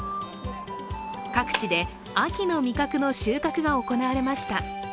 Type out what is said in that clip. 各地で、秋の味覚の収穫が行われました。